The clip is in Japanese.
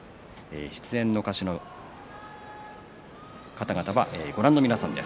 出演の歌手は、ご覧の皆さんです。